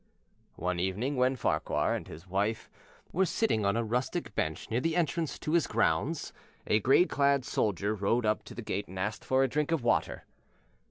One evening while Farquhar and his wife were sitting on a rustic bench near the entrance to his grounds, a gray clad soldier rode up to the gate and asked for a drink of water.